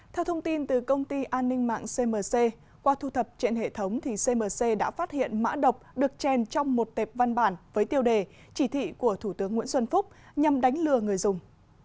theo thông tin từ công ty an ninh mạng cmc qua thu thập trên hệ thống thì cmc đã phát hiện mã độc được chèn trong một tệp văn bản với tiêu đề chỉ thị của thủ tướng nguyễn xuân phúc nhằm đánh lừa người dùng